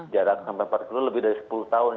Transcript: jarak sampai empat kilo lebih dari sepuluh tahun